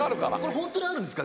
ホントにあるんですか？